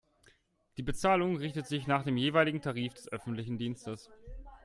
Die Bezahlung richtet sich nach dem jeweiligen Tarif des öffentlichen Dienstes.